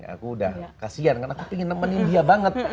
aku udah kasian kan aku pengen nemenin dia banget